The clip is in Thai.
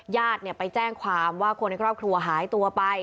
ญาติไปแจ้งความว่าคนในครอบครัวหายตัวไป